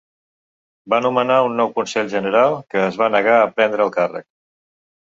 Va nomenar un nou Consell General que es va negar a prendre el càrrec.